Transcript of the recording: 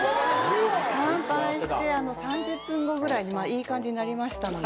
乾杯して３０分後ぐらいにいい感じになりましたので。